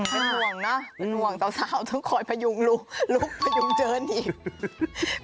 เป็นห่วงนะเป็นห่วงสาวต้องคอยพยุงลูกลุกพยุงเชิญอีก